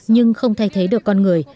nhưng không thay thế được con người